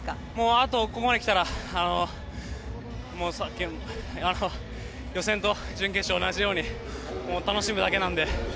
あとはここまで来たら予選と準決勝と同じように楽しむだけなので。